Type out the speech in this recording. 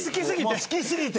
好きすぎて。